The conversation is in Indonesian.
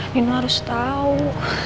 dino harus tau